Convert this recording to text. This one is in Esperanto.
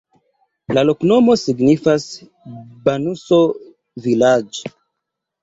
La loknomo signifas: banuso-vilaĝ'.